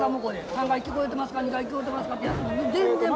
３階聞こえてますか２階聞こえてますかって。